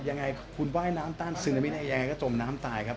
ยังไงคุณว่ายน้ำต้านซึนามิได้ยังไงก็จมน้ำตายครับ